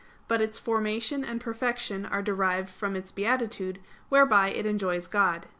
But its formation and perfection are derived from its beatitude, whereby it enjoys God.